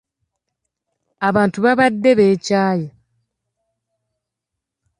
Abantu baabadde beekyaye.